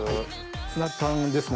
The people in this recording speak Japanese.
ツナ缶ですね